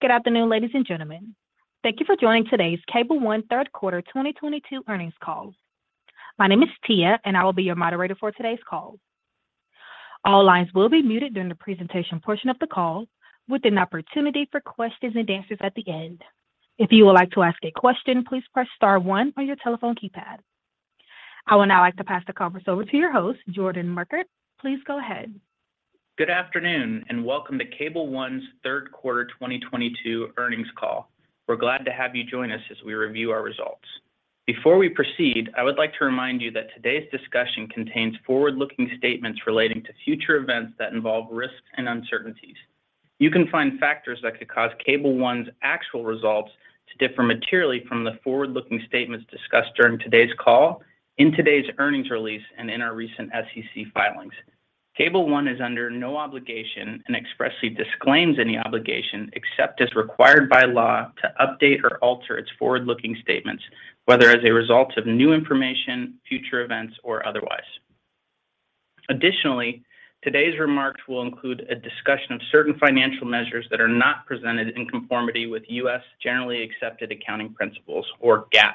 Good afternoon, ladies and gentlemen. Thank you for joining today's Cable One Third Quarter 2022 Earnings Call. My name is Tia, and I will be your moderator for today's call. All lines will be muted during the presentation portion of the call, with an opportunity for questions and answers at the end. If you would like to ask a question, please press star one on your telephone keypad. I would now like to pass the conference over to your host, Jordan Morkert. Please go ahead. Good afternoon, and welcome to Cable One's Third Quarter 2022 Earnings Call. We're glad to have you join us as we review our results. Before we proceed, I would like to remind you that today's discussion contains forward-looking statements relating to future events that involve risks and uncertainties. You can find factors that could cause Cable One's actual results to differ materially from the forward-looking statements discussed during today's call in today's earnings release and in our recent SEC filings. Cable One is under no obligation and expressly disclaims any obligation, except as required by law to update or alter its forward-looking statements, whether as a result of new information, future events, or otherwise. Additionally, today's remarks will include a discussion of certain financial measures that are not presented in conformity with U.S. generally accepted accounting principles or GAAP.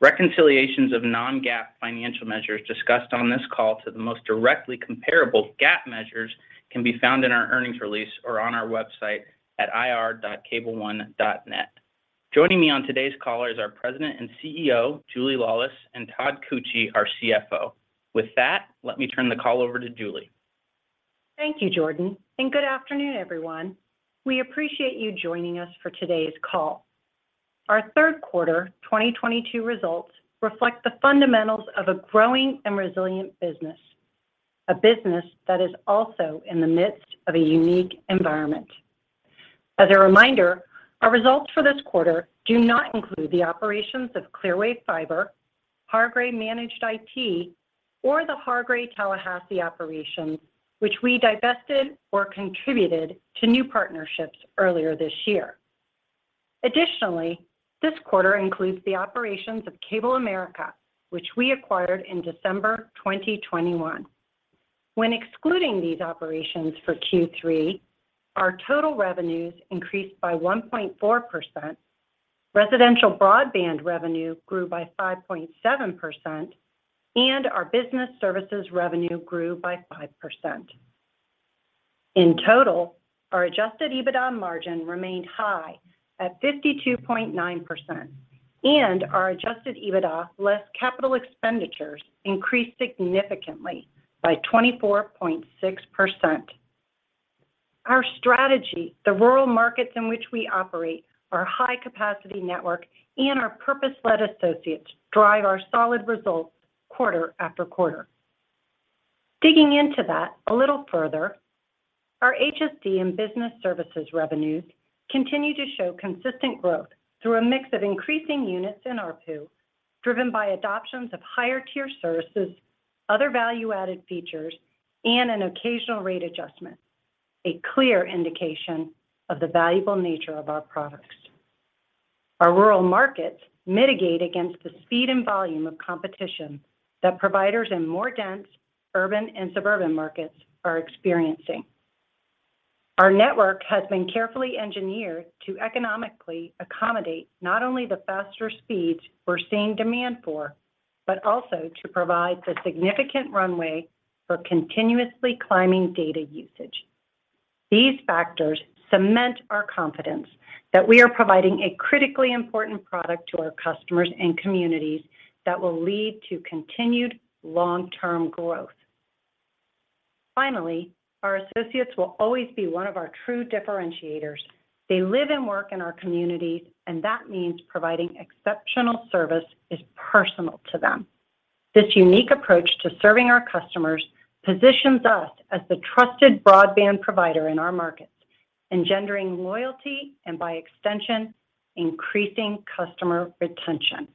Reconciliations of non-GAAP financial measures discussed on this call to the most directly comparable GAAP measures can be found in our earnings release or on our website at ir.cableone.net. Joining me on today's call is our President and CEO, Julie Laulis, and Todd Koetje, our CFO. With that, let me turn the call over to Julie. Thank you, Jordan, and good afternoon, everyone. We appreciate you joining us for today's call. Our third quarter 2022 results reflect the fundamentals of a growing and resilient business, a business that is also in the midst of a unique environment. As a reminder, our results for this quarter do not include the operations of Clearwave Fiber, Hargray Managed IT, or the Hargray Tallahassee operations, which we divested or contributed to new partnerships earlier this year. Additionally, this quarter includes the operations of CableAmerica, which we acquired in December 2021. When excluding these operations for Q3, our total revenues increased by 1.4%, residential broadband revenue grew by 5.7%, and our business services revenue grew by 5%. In total, our adjusted EBITDA margin remained high at 52.9%, and our adjusted EBITDA less capital expenditures increased significantly by 24.6%. Our strategy, the rural markets in which we operate, our high capacity network, and our purpose-led associates drive our solid results quarter after quarter. Digging into that a little further, our HSD and business services revenues continue to show consistent growth through a mix of increasing units in ARPU, driven by adoptions of higher tier services, other value-added features, and an occasional rate adjustment, a clear indication of the valuable nature of our products. Our rural markets mitigate against the speed and volume of competition that providers in more dense urban and suburban markets are experiencing. Our network has been carefully engineered to economically accommodate not only the faster speeds we're seeing demand for, but also to provide the significant runway for continuously climbing data usage. These factors cement our confidence that we are providing a critically important product to our customers and communities that will lead to continued long-term growth. Finally, our associates will always be one of our true differentiators. They live and work in our communities, and that means providing exceptional service is personal to them. This unique approach to serving our customers positions us as the trusted broadband provider in our markets, engendering loyalty and by extension, increasing customer retention.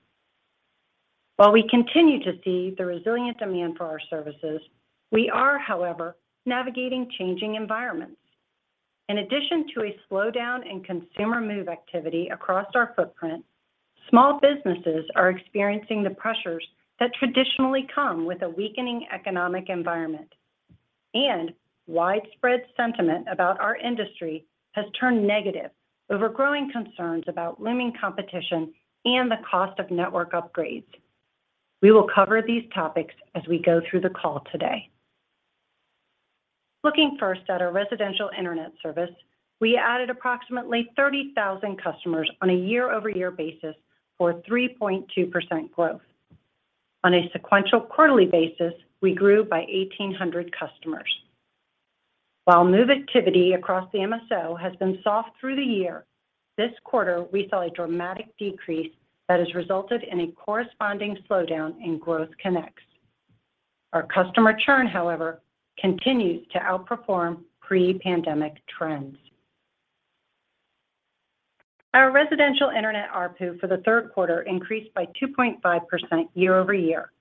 While we continue to see the resilient demand for our services, we are, however, navigating changing environments. In addition to a slowdown in consumer move activity across our footprint, small businesses are experiencing the pressures that traditionally come with a weakening economic environment, and widespread sentiment about our industry has turned negative over growing concerns about looming competition and the cost of network upgrades. We will cover these topics as we go through the call today. Looking first at our residential Internet service, we added approximately 30,000 customers on a year-over-year basis for 3.2% growth. On a sequential quarterly basis, we grew by 1,800 customers. While move activity across the MSO has been soft through the year, this quarter we saw a dramatic decrease that has resulted in a corresponding slowdown in growth connects. Our customer churn, however, continues to outperform pre-pandemic trends. Our residential Internet ARPU for the third quarter increased by 2.5% year-over-year.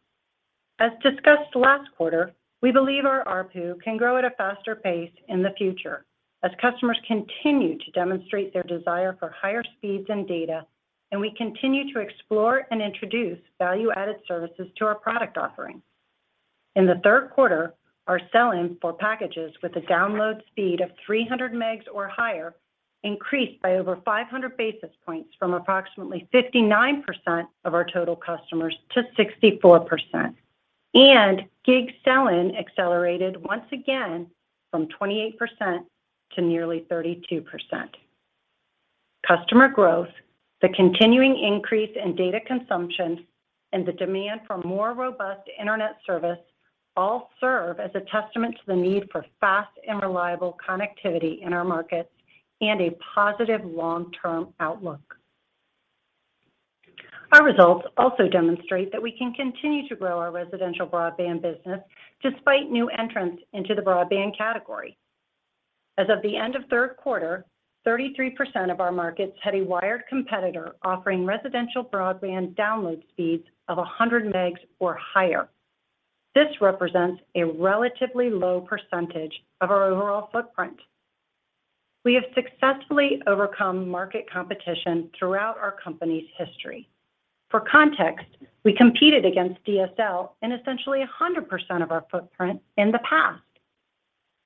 As discussed last quarter, we believe our ARPU can grow at a faster pace in the future as customers continue to demonstrate their desire for higher speeds and data, and we continue to explore and introduce value-added services to our product offering. In the third quarter, our sell-in for packages with a download speed of 300 Mbps or higher increased by over 500 basis points from approximately 59% of our total customers to 64%. Gig sell-in accelerated once again from 28% to nearly 32%. Customer growth, the continuing increase in data consumption, and the demand for more robust internet service all serve as a testament to the need for fast and reliable connectivity in our markets and a positive long-term outlook. Our results also demonstrate that we can continue to grow our residential broadband business despite new entrants into the broadband category. As of the end of third quarter, 33% of our markets had a wired competitor offering residential broadband download speeds of 100 Mbps or higher. This represents a relatively low percentage of our overall footprint. We have successfully overcome market competition throughout our company's history. For context, we competed against DSL in essentially 100% of our footprint in the past.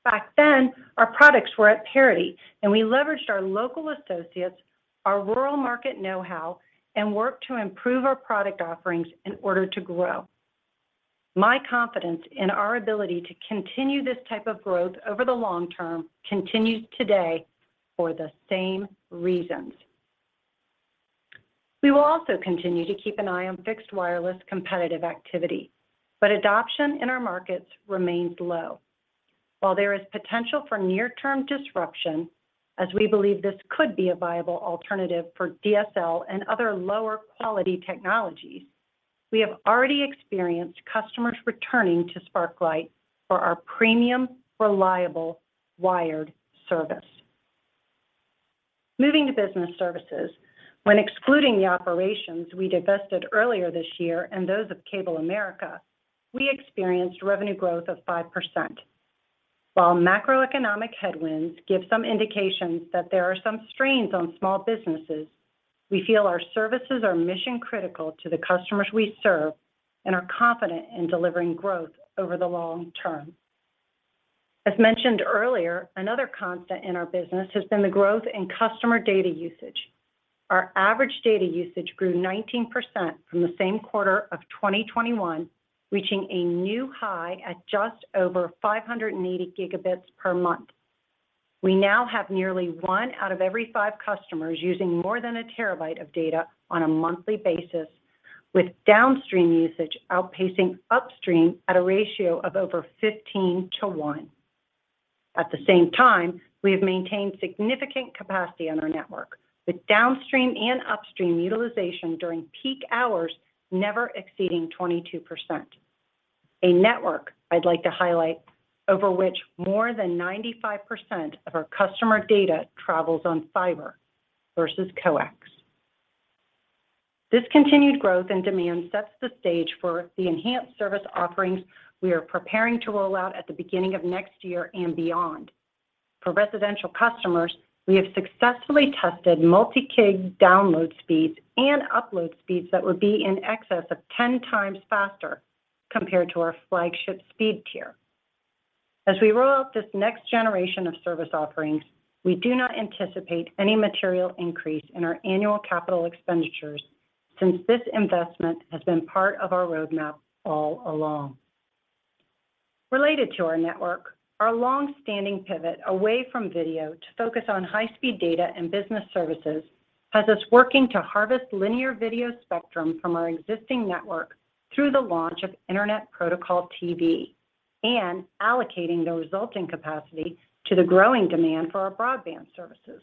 Back then, our products were at parity, and we leveraged our local associates, our rural market know-how, and worked to improve our product offerings in order to grow. My confidence in our ability to continue this type of growth over the long term continues today for the same reasons. We will also continue to keep an eye on fixed wireless competitive activity, but adoption in our markets remains low. While there is potential for near-term disruption, as we believe this could be a viable alternative for DSL and other lower quality technologies, we have already experienced customers returning to Sparklight for our premium, reliable, wired service. Moving to business services, when excluding the operations we divested earlier this year and those of CableAmerica, we experienced revenue growth of 5%. While macroeconomic headwinds give some indications that there are some strains on small businesses, we feel our services are mission-critical to the customers we serve and are confident in delivering growth over the long term. As mentioned earlier, another constant in our business has been the growth in customer data usage. Our average data usage grew 19% from the same quarter of 2021, reaching a new high at just over 580 Gb per month. We now have nearly 1 out of every 5 customers using more than 1 TB of data on a monthly basis, with downstream usage outpacing upstream at a ratio of over 15 to 1. At the same time, we have maintained significant capacity on our network, with downstream and upstream utilization during peak hours never exceeding 22%. A network I'd like to highlight over which more than 95% of our customer data travels on fiber versus coax. This continued growth and demand sets the stage for the enhanced service offerings we are preparing to roll out at the beginning of next year and beyond. For residential customers, we have successfully tested multi-gig download speeds and upload speeds that would be in excess of 10x faster compared to our flagship speed tier. As we roll out this next generation of service offerings, we do not anticipate any material increase in our annual capital expenditures since this investment has been part of our roadmap all along. Related to our network, our long-standing pivot away from video to focus on high-speed data and business services has us working to harvest linear video spectrum from our existing network through the launch of Internet Protocol TV and allocating the resulting capacity to the growing demand for our broadband services.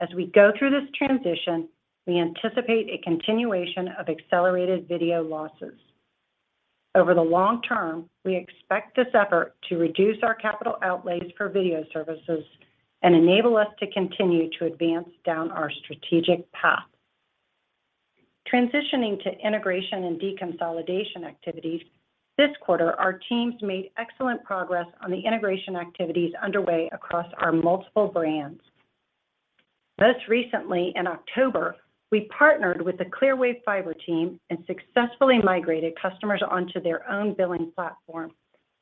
As we go through this transition, we anticipate a continuation of accelerated video losses. Over the long term, we expect this effort to reduce our capital outlays for video services and enable us to continue to advance down our strategic path. Transitioning to integration and deconsolidation activities, this quarter, our teams made excellent progress on the integration activities underway across our multiple brands. Most recently in October, we partnered with the Clearwave Fiber team and successfully migrated customers onto their own billing platform,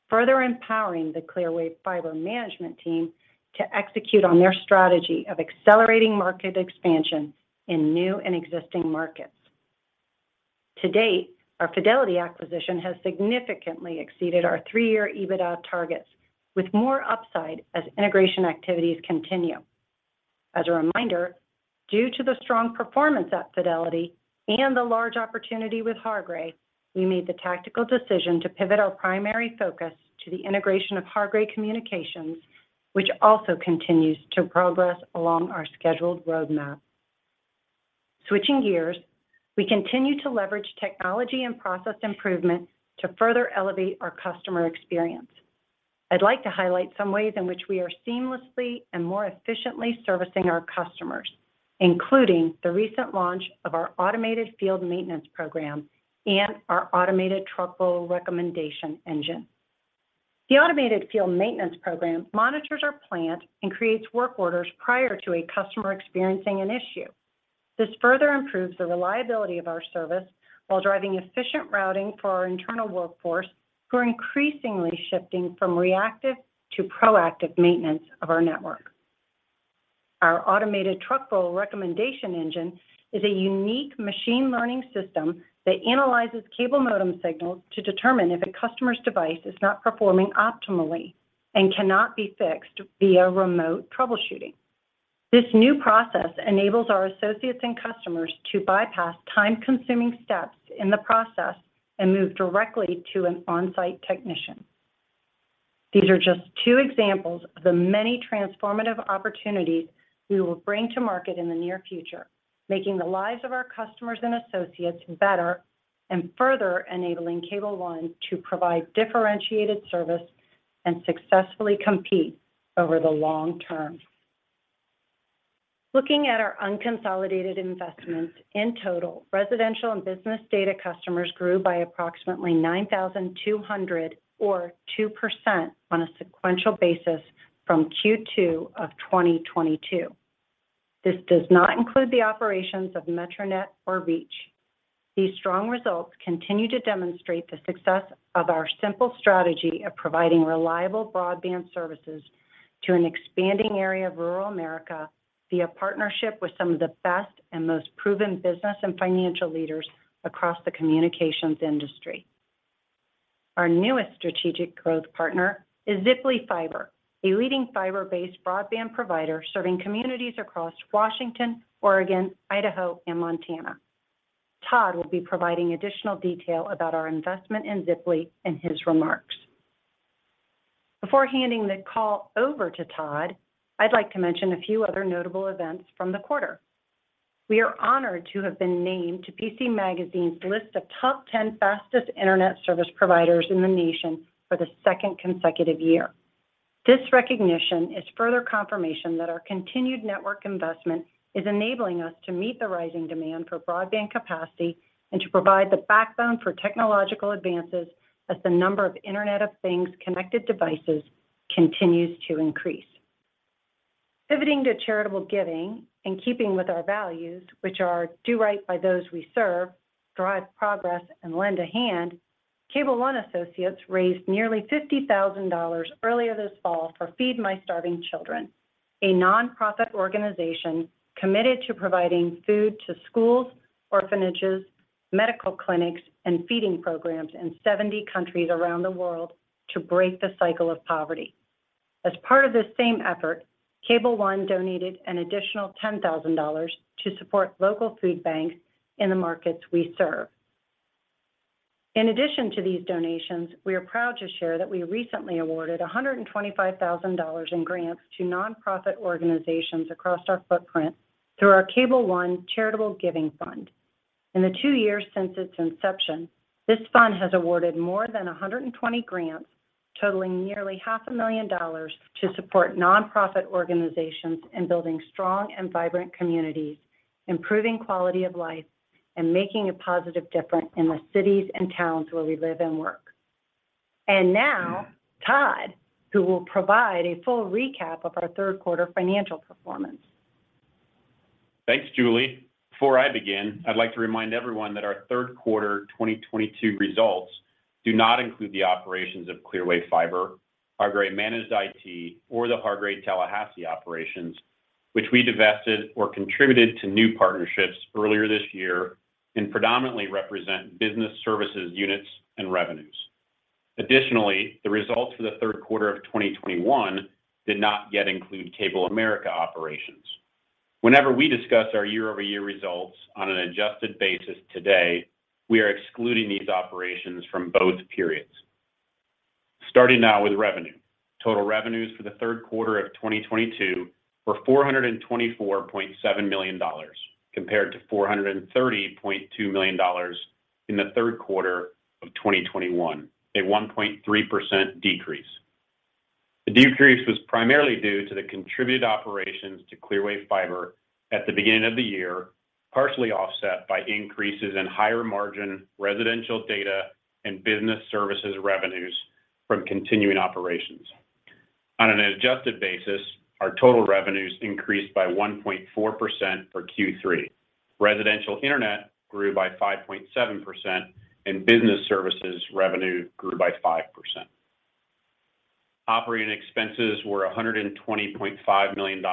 further empowering the Clearwave Fiber management team to execute on their strategy of accelerating market expansion in new and existing markets. To date, our Fidelity acquisition has significantly exceeded our 3-year EBITDA targets with more upside as integration activities continue. As a reminder, due to the strong performance at Fidelity and the large opportunity with Hargray, we made the tactical decision to pivot our primary focus to the integration of Hargray Communications, which also continues to progress along our scheduled roadmap. Switching gears, we continue to leverage technology and process improvement to further elevate our customer experience. I'd like to highlight some ways in which we are seamlessly and more efficiently servicing our customers, including the recent launch of our automated field maintenance program and our automated trouble recommendation engine. The automated field maintenance program monitors our plant and creates work orders prior to a customer experiencing an issue. This further improves the reliability of our service while driving efficient routing for our internal workforce who are increasingly shifting from reactive to proactive maintenance of our network. Our automated truck roll recommendation engine is a unique machine learning system that analyzes cable modem signals to determine if a customer's device is not performing optimally and cannot be fixed via remote troubleshooting. This new process enables our associates and customers to bypass time-consuming steps in the process and move directly to an on-site technician. These are just two examples of the many transformative opportunities we will bring to market in the near future, making the lives of our customers and associates better and further enabling Cable One to provide differentiated service and successfully compete over the long term. Looking at our unconsolidated investments, in total, residential and business data customers grew by approximately 9,200 or 2% on a sequential basis from Q2 of 2022. This does not include the operations of Metronet or Reach. These strong results continue to demonstrate the success of our simple strategy of providing reliable broadband services to an expanding area of rural America via partnership with some of the best and most proven business and financial leaders across the communications industry. Our newest strategic growth partner is Ziply Fiber, a leading fiber-based broadband provider serving communities across Washington, Oregon, Idaho, and Montana. Todd will be providing additional detail about our investment in Ziply in his remarks. Before handing the call over to Todd, I'd like to mention a few other notable events from the quarter. We are honored to have been named to PC Magazine's list of top 10 fastest internet service providers in the nation for the second consecutive year. This recognition is further confirmation that our continued network investment is enabling us to meet the rising demand for broadband capacity and to provide the backbone for technological advances as the number of Internet of Things connected devices continues to increase. Pivoting to charitable giving, in keeping with our values, which are do right by those we serve, drive progress, and lend a hand, Cable One associates raised nearly $50,000 earlier this fall for Feed My Starving Children, a nonprofit organization committed to providing food to schools, orphanages, medical clinics, and feeding programs in 70 countries around the world to break the cycle of poverty. As part of this same effort, Cable One donated an additional $10,000 to support local food banks in the markets we serve. In addition to these donations, we are proud to share that we recently awarded $125,000 in grants to nonprofit organizations across our footprint through our Cable One Charitable Giving Fund. In the two years since its inception, this fund has awarded more than 120 grants totaling nearly $500, 000 to support nonprofit organizations in building strong and vibrant communities, improving quality of life, and making a positive difference in the cities and towns where we live and work. Now, Todd, who will provide a full recap of our third quarter financial performance. Thanks, Julie. Before I begin, I'd like to remind everyone that our third quarter 2022 results do not include the operations of Clearwave Fiber, Hargray Managed IT, or the Hargray Tallahassee operations, which we divested or contributed to new partnerships earlier this year and predominantly represent business services units and revenues. Additionally, the results for the third quarter of 2021 did not yet include CableAmerica operations. Whenever we discuss our year-over-year results on an adjusted basis today, we are excluding these operations from both periods. Starting now with revenue. Total revenues for the third quarter of 2022 were $424.7 million, compared to $430.2 million in the third quarter of 2021, a 1.3% decrease. The decrease was primarily due to the contributed operations to Clearwave Fiber at the beginning of the year, partially offset by increases in higher margin residential data and business services revenues from continuing operations. On an adjusted basis, our total revenues increased by 1.4% for Q3. Residential internet grew by 5.7%, and business services revenue grew by 5%. Operating expenses were $120.5 million,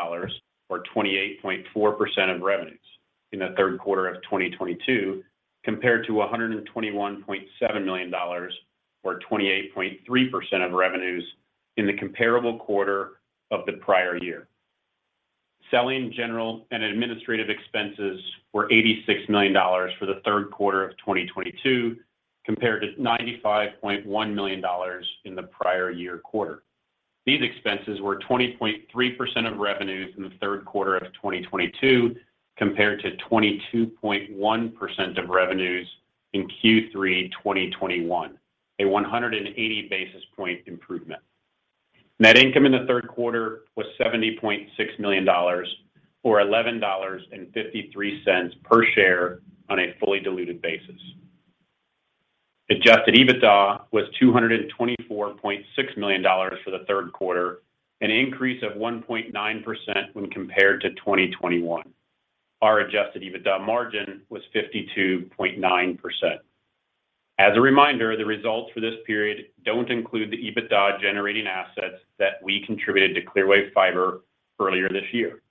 or 28.4% of revenues in the third quarter of 2022, compared to $121.7 million or 28.3% of revenues in the comparable quarter of the prior year. Selling, general, and administrative expenses were $86 million for the third quarter of 2022, compared to $95.1 million in the prior year quarter. These expenses were 20.3% of revenues in the third quarter of 2022, compared to 22.1% of revenues in Q3 2021, a 180 basis point improvement. Net income in the third quarter was $70.6 million, or $11.53 per share on a fully diluted basis. Adjusted EBITDA was $224.6 million for the third quarter, an increase of 1.9% when compared to 2021. Our adjusted EBITDA margin was 52.9%. As a reminder, the results for this period don't include the EBITDA generating assets that we contributed to Clearwave Fiber earlier this year.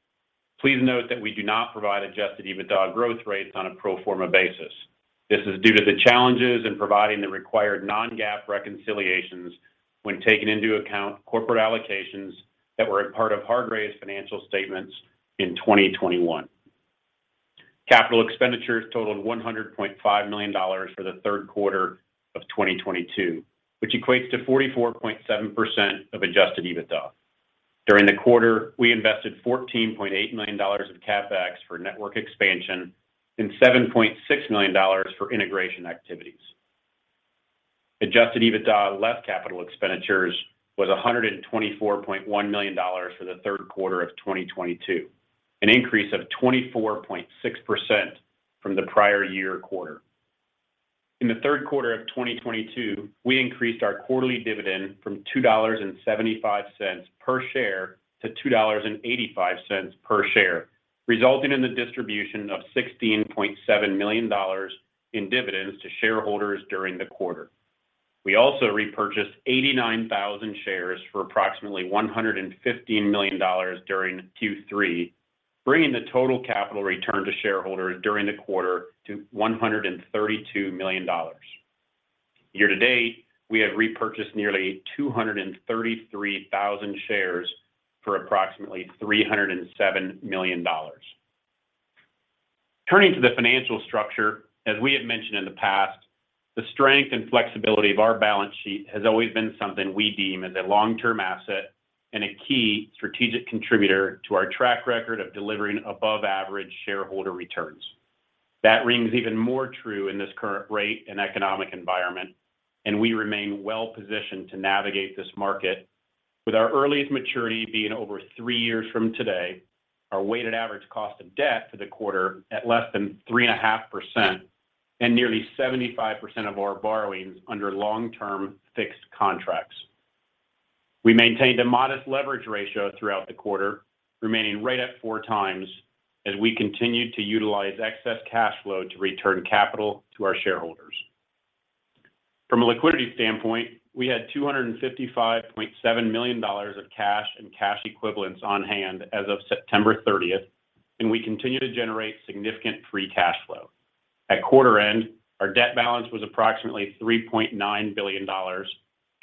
Please note that we do not provide adjusted EBITDA growth rates on a pro forma basis. This is due to the challenges in providing the required non-GAAP reconciliations when taking into account corporate allocations that were a part of Hargray's financial statements in 2021. Capital expenditures totaled $100.5 million for the third quarter of 2022, which equates to 44.7% of adjusted EBITDA. During the quarter, we invested $14.8 million of CapEx for network expansion and $7.6 million for integration activities. Adjusted EBITDA less capital expenditures was $124.1 million for the third quarter of 2022, an increase of 24.6% from the prior year quarter. In the third quarter of 2022, we increased our quarterly dividend from $2.75 per share to $2.85 per share, resulting in the distribution of $16.7 million in dividends to shareholders during the quarter. We also repurchased 89,000 shares for approximately $115 million during Q3, bringing the total capital return to shareholders during the quarter to $132 million. Year to date, we have repurchased nearly 233,000 shares for approximately $307 million. Turning to the financial structure, as we have mentioned in the past, the strength and flexibility of our balance sheet has always been something we deem as a long-term asset and a key strategic contributor to our track record of delivering above average shareholder returns. That rings even more true in this current rate and economic environment, and we remain well positioned to navigate this market with our earliest maturity being over 3 years from today. Our weighted average cost of debt for the quarter at less than 3.5% and nearly 75% of our borrowings under long-term fixed contracts. We maintained a modest leverage ratio throughout the quarter, remaining right at 4x as we continued to utilize excess cash flow to return capital to our shareholders. From a liquidity standpoint, we had $255.7 million of cash and cash equivalents on hand as of September 30th, and we continue to generate significant free cash flow. At quarter end, our debt balance was approximately $3.9 billion,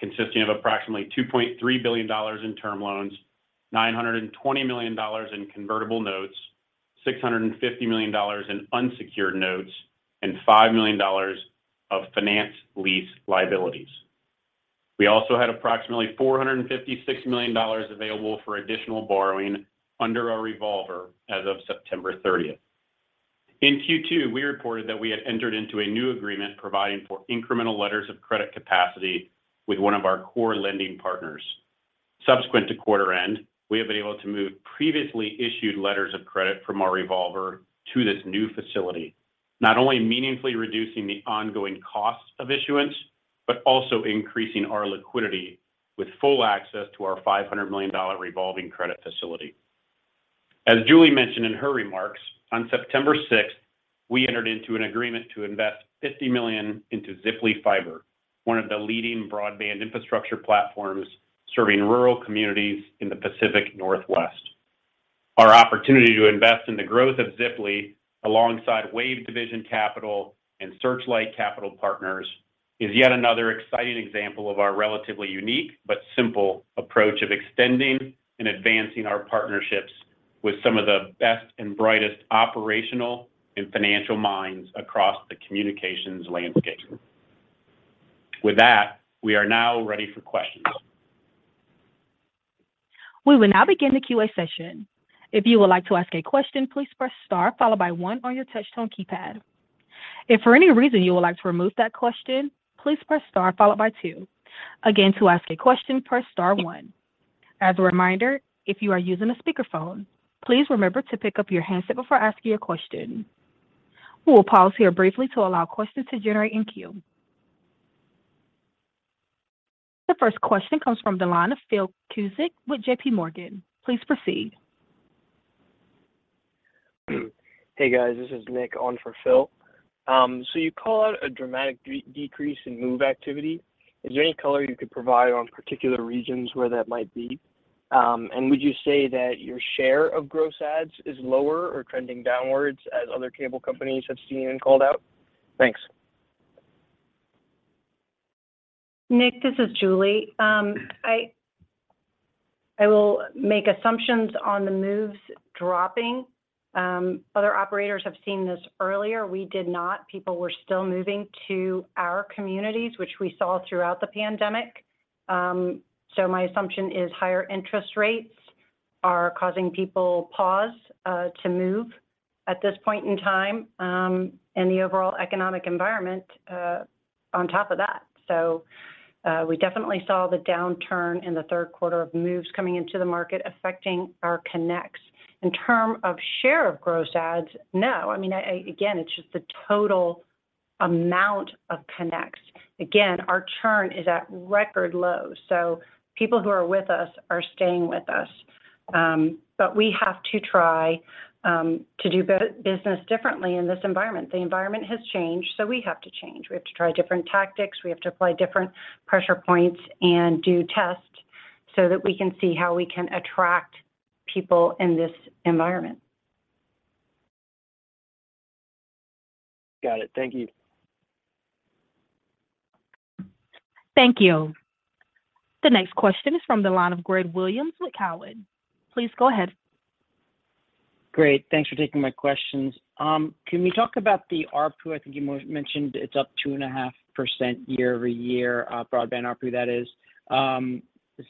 consisting of approximately $2.3 billion in term loans, $920 million in convertible notes, $650 million in unsecured notes, and $5 million of finance lease liabilities. We also had approximately $456 million available for additional borrowing under our revolver as of September 30th. In Q2, we reported that we had entered into a new agreement providing for incremental letters of credit capacity with one of our core lending partners. Subsequent to quarter end, we have been able to move previously issued letters of credit from our revolver to this new facility, not only meaningfully reducing the ongoing cost of issuance, but also increasing our liquidity with full access to our $500 million revolving credit facility. As Julie mentioned in her remarks, on September sixth, we entered into an agreement to invest $50 million into Ziply Fiber, one of the leading broadband infrastructure platforms serving rural communities in the Pacific Northwest. Our opportunity to invest in the growth of Ziply alongside WaveDivision Capital and Searchlight Capital Partners is yet another exciting example of our relatively unique but simple approach of extending and advancing our partnerships with some of the best and brightest operational and financial minds across the communications landscape. With that, we are now ready for questions. We will now begin the Q&A session. If you would like to ask a question, please press star followed by one on your touch tone keypad. If for any reason you would like to remove that question, please press star followed by two. Again, to ask a question, press star one. As a reminder, if you are using a speakerphone, please remember to pick up your handset before asking your question. We will pause here briefly to allow questions to generate in queue. The first question comes from the line of Phil Cusick with J.P. Morgan. Please proceed. Hey, guys. This is Nick on for Phil. You call out a dramatic decrease in move activity. Is there any color you could provide on particular regions where that might be? Would you say that your share of gross adds is lower or trending downwards as other cable companies have seen and called out? Thanks. Nick, this is Julie. I will make assumptions on the moves dropping. Other operators have seen this earlier. We did not. People were still moving to our communities, which we saw throughout the pandemic. My assumption is higher interest rates. Are causing people pause to move at this point in time, and the overall economic environment on top of that. We definitely saw the downturn in the third quarter of moves coming into the market affecting our connects. In terms of share of gross adds, no. I mean, again, it's just the total amount of connects. Again, our churn is at record lows, so people who are with us are staying with us. But we have to try to do business differently in this environment. The environment has changed, so we have to change. We have to try different tactics, we have to apply different pressure points and do tests so that we can see how we can attract people in this environment. Got it. Thank you. Thank you. The next question is from the line of Greg Williams with Cowen. Please go ahead. Great. Thanks for taking my questions. Can we talk about the ARPU? I think you mentioned it's up 2.5% year-over-year, broadband ARPU, that is.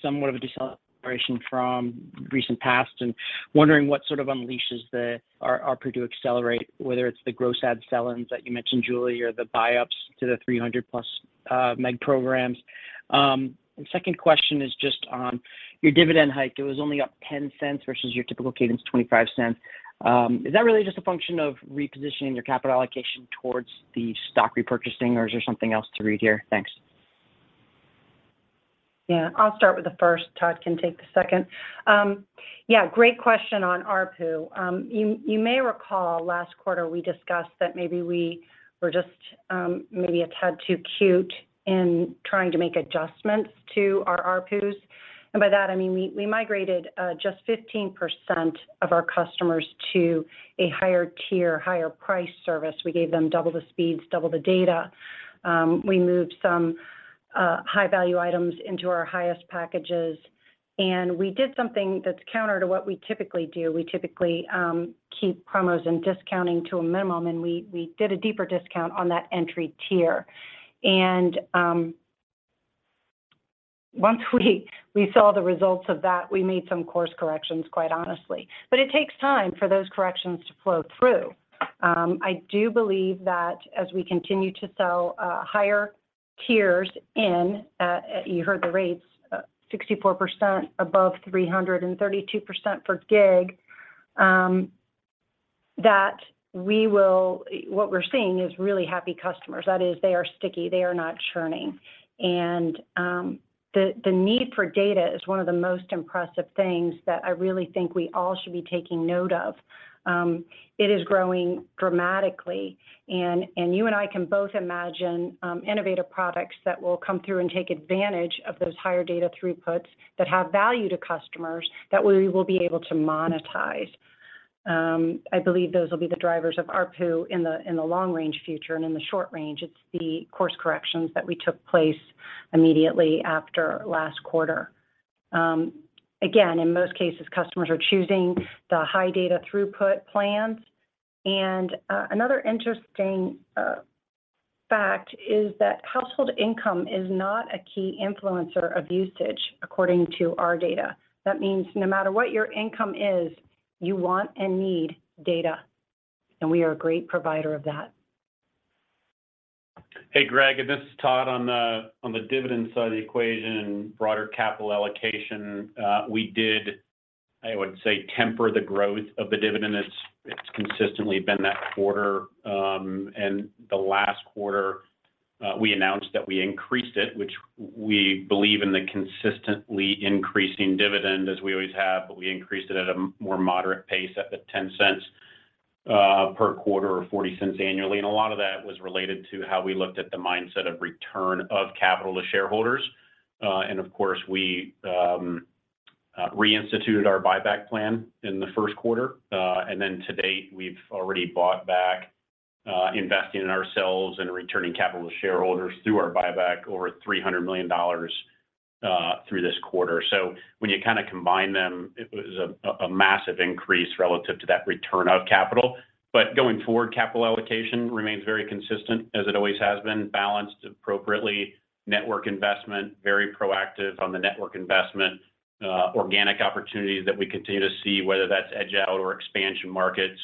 Somewhat of a deceleration from recent past, and wondering what sort of unleashes our ARPU to accelerate, whether it's the gross add sell-ins that you mentioned, Julie, or the buyups to the 300+ Mbps programs. Second question is just on your dividend hike. It was only up $0.10 versus your typical cadence of $0.25. Is that really just a function of repositioning your capital allocation towards the stock repurchasing, or is there something else to read here? Thanks. Yeah, I'll start with the first. Todd can take the second. Yeah, great question on ARPU. You may recall last quarter we discussed that maybe we were just maybe a tad too cute in trying to make adjustments to our ARPUs. By that, I mean, we migrated just 15% of our customers to a higher tier, higher price service. We gave them double the speeds, double the data. We moved some high-value items into our highest packages, and we did something that's counter to what we typically do. We typically keep promos and discounting to a minimum, and we did a deeper discount on that entry tier. Once we saw the results of that, we made some course corrections, quite honestly. It takes time for those corrections to flow through. I do believe that as we continue to sell higher tiers, you heard the rates, 64% above 332% per gig. What we're seeing is really happy customers. That is, they are sticky. They are not churning. The need for data is one of the most impressive things that I really think we all should be taking note of. It is growing dramatically, and you and I can both imagine innovative products that will come through and take advantage of those higher data throughputs that have value to customers that we will be able to monetize. I believe those will be the drivers of ARPU in the long-range future, and in the short range, it's the course corrections that took place immediately after last quarter. Again, in most cases, customers are choosing the high data throughput plans. Another interesting fact is that household income is not a key influencer of usage, according to our data. That means no matter what your income is, you want and need data, and we are a great provider of that. Hey, Greg, this is Todd. On the dividend side of the equation, broader capital allocation, we did, I would say, temper the growth of the dividend. It's consistently been that quarter. The last quarter, we announced that we increased it, which we believe in the consistently increasing dividend as we always have, but we increased it at a more moderate pace at the $0.10 per quarter or $0.40 annually. A lot of that was related to how we looked at the mindset of return of capital to shareholders. Of course, we reinstituted our buyback plan in the first quarter. To date, we've already bought back, investing in ourselves and returning capital to shareholders through our buyback over $300 million through this quarter. When you kind of combine them, it was a massive increase relative to that return of capital. Going forward, capital allocation remains very consistent as it always has been, balanced appropriately. Network investment, very proactive on the network investment. Organic opportunities that we continue to see, whether that's edge out or expansion markets.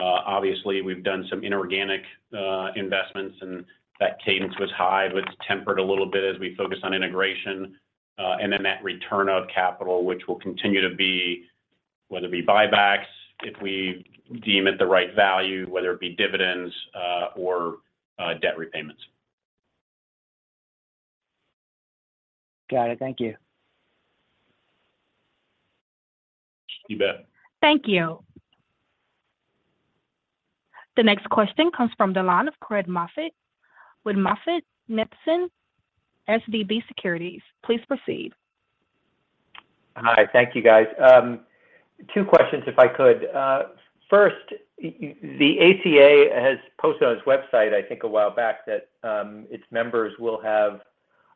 Obviously, we've done some inorganic investments, and that cadence was high, but it's tempered a little bit as we focus on integration. That return of capital, which will continue to be, whether it be buybacks, if we deem it the right value, whether it be dividends, or debt repayments. Got it. Thank you. You bet. Thank you. The next question comes from the line of Craig Moffett with MoffettNathanson SVB Securities. Please proceed. Hi. Thank you, guys. Two questions if I could. First, the ACA has posted on its website, I think a while back, that, its members will have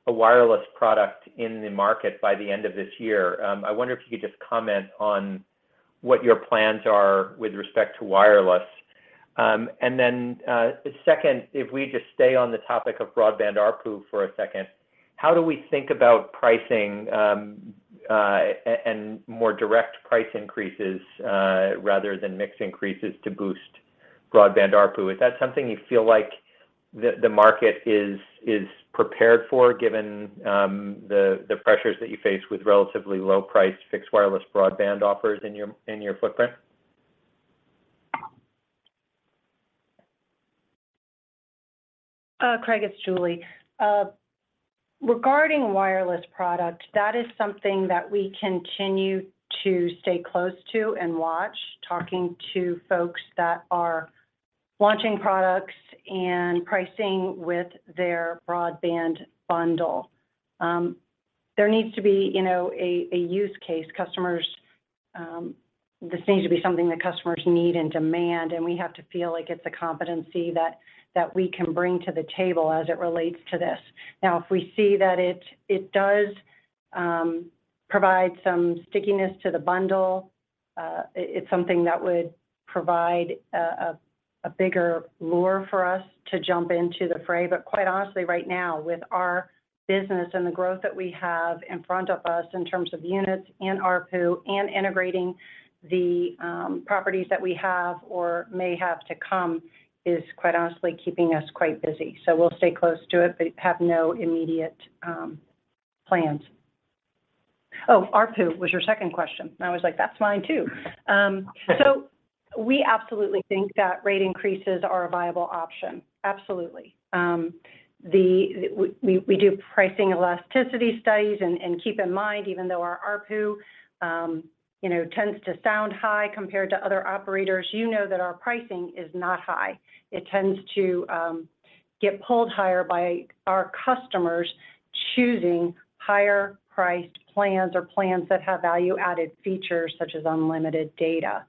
a wireless product in the market by the end of this year. I wonder if you could just comment on what your plans are with respect to wireless. Second, if we just stay on the topic of broadband ARPU for a second, how do we think about pricing and more direct price increases rather than mixed increases to boost broadband ARPU? Is that something you feel like the market is prepared for, given the pressures that you face with relatively low priced fixed wireless broadband offers in your footprint? Craig, it's Julie. Regarding wireless product, that is something that we continue to stay close to and watch, talking to folks that are launching products and pricing with their broadband bundle. There needs to be, you know, a use case. Customers. This needs to be something that customers need and demand, and we have to feel like it's a competency that we can bring to the table as it relates to this. Now, if we see that it does provide some stickiness to the bundle, it's something that would provide a bigger lure for us to jump into the fray. Quite honestly right now, with our business and the growth that we have in front of us in terms of units and ARPU and integrating the properties that we have or may have to come is quite honestly keeping us quite busy. We'll stay close to it, but have no immediate plans. Oh, ARPU was your second question, and I was like, "That's mine too." We absolutely think that rate increases are a viable option. Absolutely. We do pricing elasticity studies. Keep in mind, even though our ARPU, you know, tends to sound high compared to other operators, you know that our pricing is not high. It tends to get pulled higher by our customers choosing higher priced plans or plans that have value added features such as unlimited data.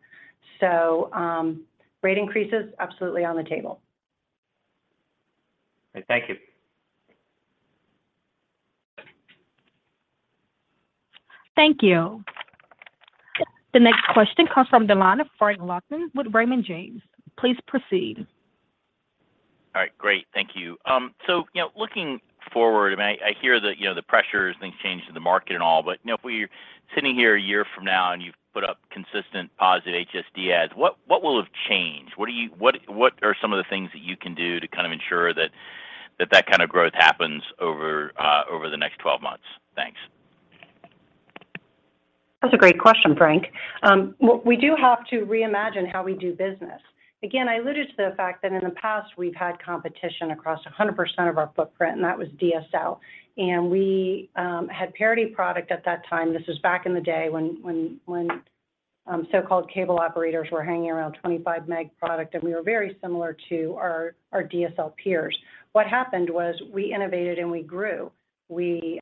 Rate increases absolutely on the table. Thank you. Thank you. The next question comes from the line of Frank Louthan with Raymond James. Please proceed. All right. Great. Thank you. So, you know, looking forward, I mean, I hear that, you know, the pressures and things change in the market and all, but, you know, if we're sitting here a year from now and you've put up consistent positive HSD adds, what will have changed? What are some of the things that you can do to kind of ensure that that kind of growth happens over the next 12 months? Thanks. That's a great question, Frank. Well, we do have to reimagine how we do business. Again, I alluded to the fact that in the past we've had competition across 100% of our footprint, and that was DSL. We had parity product at that time. This was back in the day when so-called cable operators were hanging around 25 Mbps product, and we were very similar to our DSL peers. What happened was we innovated and we grew. We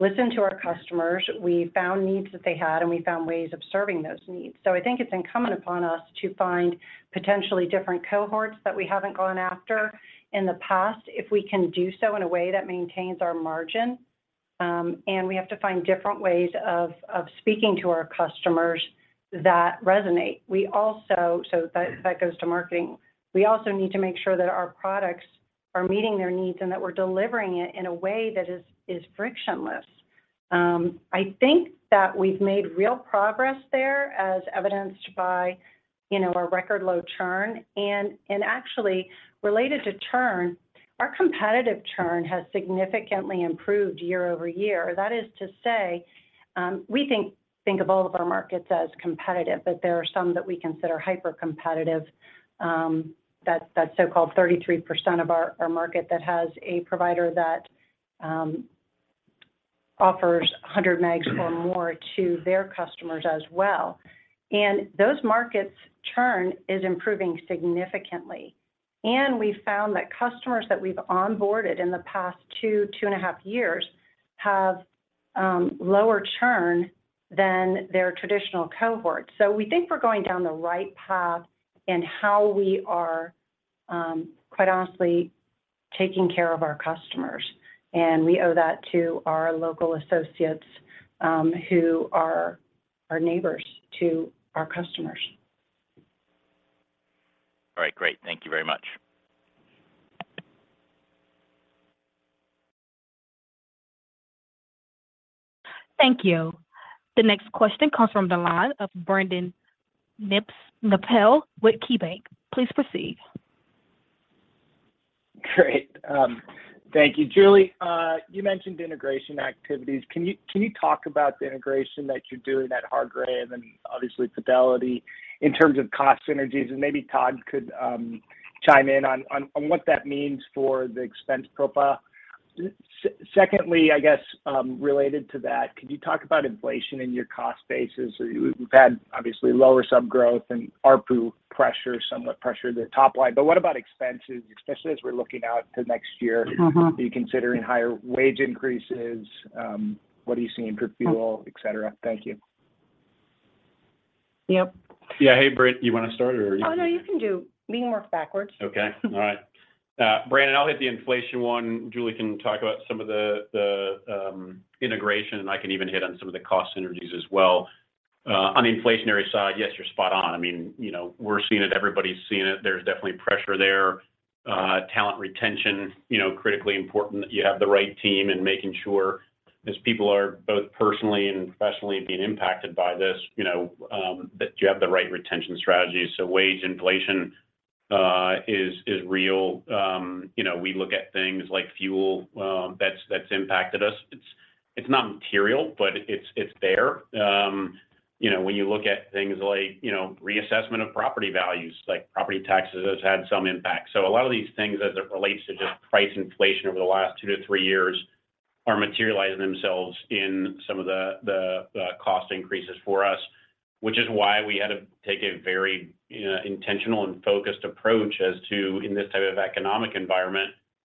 listened to our customers, we found needs that they had, and we found ways of serving those needs. I think it's incumbent upon us to find potentially different cohorts that we haven't gone after in the past, if we can do so in a way that maintains our margin. We have to find different ways of speaking to our customers that resonate. That goes to marketing. We also need to make sure that our products are meeting their needs and that we're delivering it in a way that is frictionless. I think that we've made real progress there as evidenced by, you know, our record low churn. Actually related to churn, our competitive churn has significantly improved year-over-year. That is to say, we think of all of our markets as competitive, but there are some that we consider hyper competitive, that so-called 33% of our market that has a provider that offers 100 Mbps or more to their customers as well. Those markets' churn is improving significantly. We found that customers that we've onboarded in the past 2.5 years have lower churn than their traditional cohort. We think we're going down the right path in how we are quite honestly taking care of our customers, and we owe that to our local associates who are our neighbors to our customers. All right. Great. Thank you very much. Thank you. The next question comes from the line of Brandon Nispel with KeyBank. Please proceed. Great. Thank you. Julie, you mentioned integration activities. Can you talk about the integration that you're doing at Hargray and obviously Fidelity in terms of cost synergies? Maybe Todd could chime in on what that means for the expense profile. Secondly, I guess, related to that, could you talk about inflation in your cost bases? You've had obviously lower sub growth and ARPU pressure, somewhat pressure the top line, but what about expenses, especially as we're looking out to next year? Mm-hmm. Are you considering higher wage increases? What are you seeing for fuel, et cetera? Thank you. Yep. Yeah. Hey, Brandon, you wanna start or are you- Oh, no, you can do. We can work backwards. Okay. All right. Brandon, I'll hit the inflation one. Julie can talk about some of the integration, and I can even hit on some of the cost synergies as well. On the inflationary side, yes, you're spot on. I mean, you know, we're seeing it, everybody's seeing it. There's definitely pressure there. Talent retention, you know, critically important that you have the right team and making sure as people are both personally and professionally being impacted by this, you know, that you have the right retention strategy. Wage inflation is real. You know, we look at things like fuel, that's impacted us. It's not material, but it's there. You know, when you look at things like reassessment of property values, like property taxes has had some impact. A lot of these things as it relates to just price inflation over the last 2 years-3 years are materializing themselves in some of the cost increases for us, which is why we had to take a very intentional and focused approach as to, in this type of economic environment,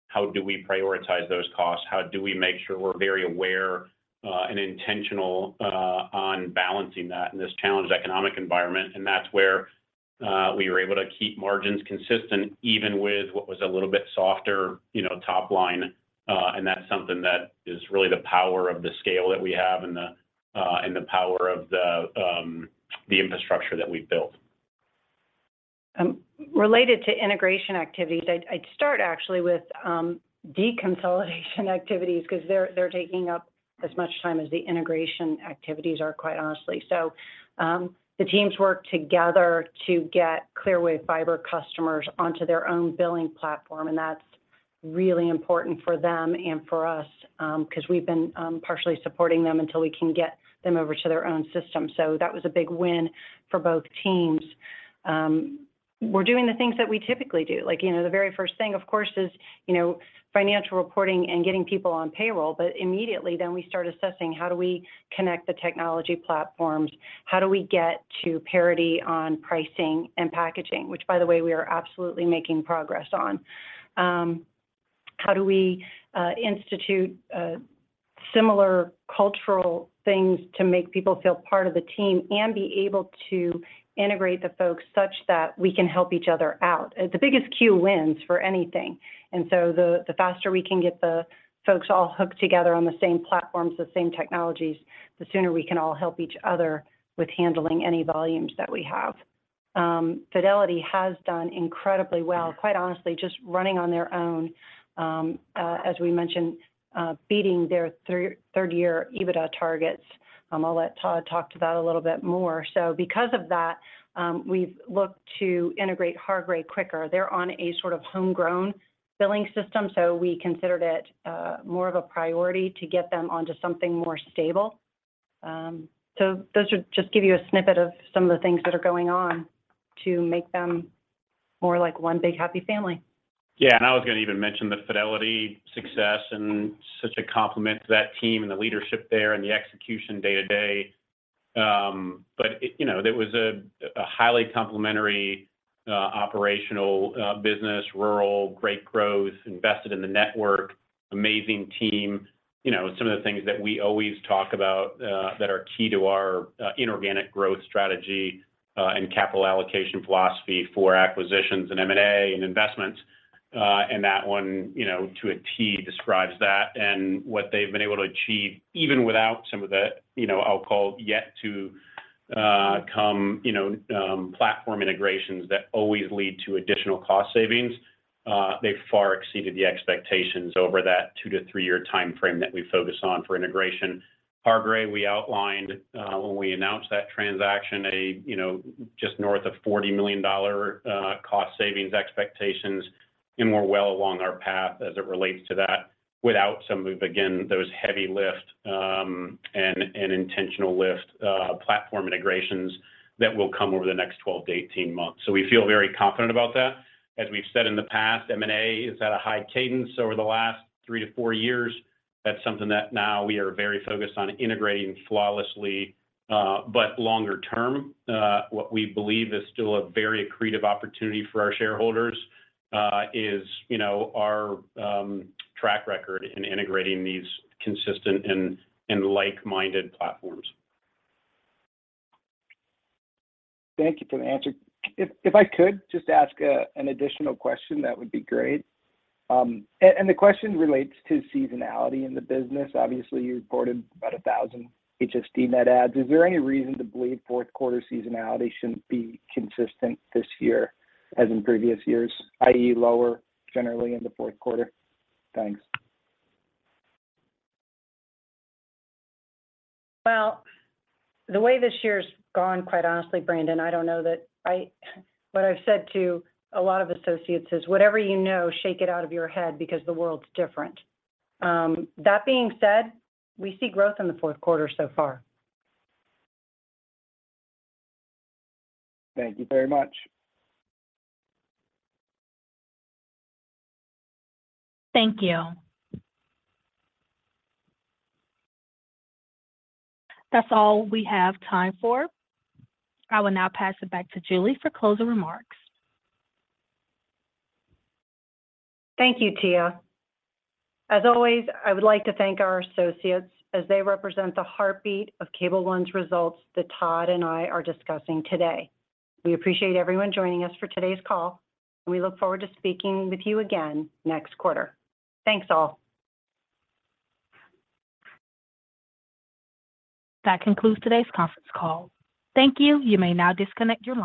how do we prioritize those costs? How do we make sure we're very aware and intentional on balancing that in this challenged economic environment? That's where we were able to keep margins consistent even with what was a little bit softer, you know, top line. That's something that is really the power of the scale that we have and the power of the infrastructure that we've built. Related to integration activities, I'd start actually with deconsolidation activities because they're taking up as much time as the integration activities are, quite honestly. The teams work together to get Clearwave Fiber customers onto their own billing platform, and that's really important for them and for us, 'cause we've been partially supporting them until we can get them over to their own system. That was a big win for both teams. We're doing the things that we typically do. Like, you know, the very first thing, of course, is, you know, financial reporting and getting people on payroll. But immediately then we start assessing how do we connect the technology platforms. How do we get to parity on pricing and packaging? Which by the way, we are absolutely making progress on. How do we institute similar cultural things to make people feel part of the team and be able to integrate the folks such that we can help each other out? The biggest queue wins for anything. The faster we can get the folks all hooked together on the same platforms, the same technologies, the sooner we can all help each other with handling any volumes that we have. Fidelity has done incredibly well, quite honestly, just running on their own. As we mentioned, beating their third year EBITDA targets. I'll let Todd talk to that a little bit more. Because of that, we've looked to integrate Hargray quicker. They're on a sort of homegrown billing system, so we considered it more of a priority to get them onto something more stable. Those are just to give you a snippet of some of the things that are going on to make them more like one big happy family. Yeah. I was gonna even mention the Fidelity success and such a compliment to that team and the leadership there and the execution day to day. It, you know, that was a highly complementary operational business, rural, great growth, invested in the network, amazing team. You know, some of the things that we always talk about that are key to our inorganic growth strategy and capital allocation philosophy for acquisitions and M&A and investments. And that one, you know, to a T describes that and what they've been able to achieve, even without some of the, you know, I'll call yet to come platform integrations that always lead to additional cost savings. They far exceeded the expectations over that 2 year-3-year time frame that we focus on for integration. Hargray, we outlined when we announced that transaction, you know, just north of $40 million cost savings expectations, and we're well along our path as it relates to that without some of, again, those heavy lift and intentional lift platform integrations that will come over the next 12 months-18 months. We feel very confident about that. As we've said in the past, M&A is at a high cadence over the last 3 years-4 years. That's something that now we are very focused on integrating flawlessly. Longer term, what we believe is still a very accretive opportunity for our shareholders, you know, our track record in integrating these consistent and like-minded platforms. Thank you for the answer. If I could just ask an additional question, that would be great. The question relates to seasonality in the business. Obviously, you reported about 1,000 HSD net adds. Is there any reason to believe fourth quarter seasonality shouldn't be consistent this year as in previous years, i.e., lower generally in the fourth quarter? Thanks. Well, the way this year's gone, quite honestly, Brandon, what I've said to a lot of associates is, whatever you know, shake it out of your head because the world's different. That being said, we see growth in the fourth quarter so far. Thank you very much. Thank you. That's all we have time for. I will now pass it back to Julie for closing remarks. Thank you, Tia. As always, I would like to thank our associates as they represent the heartbeat of Cable One's results that Todd and I are discussing today. We appreciate everyone joining us for today's call, and we look forward to speaking with you again next quarter. Thanks, all. That concludes today's conference call. Thank you. You may now disconnect your line.